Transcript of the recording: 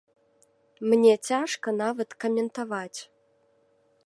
Мне цяжка нават каментаваць.